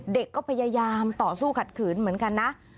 เด็กก็พยายามต่อสู้ขัดขืนเหมือนกันนะ